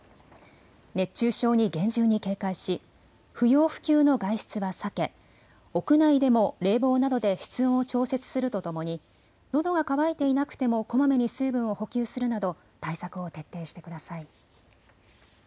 熱中症に厳重に警戒し不要不急の外出は避け、屋内でも冷房などで室温を調節するとともにのどが渇いていなくてもこまめに水分を補給するなど対策を徹底してください。